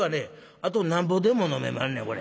あとなんぼでも飲めまんねんこれ」。